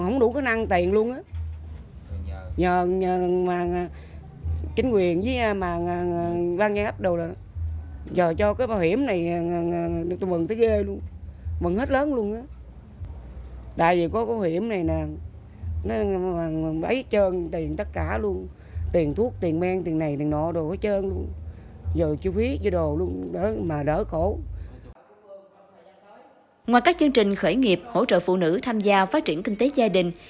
ngoài các chương trình khởi nghiệp hỗ trợ phụ nữ tham gia phát triển kinh tế gia đình